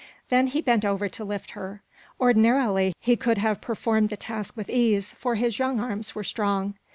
Then he bent over to lift her. Ordinarily he could have performed the task with ease, for his young arms were strong.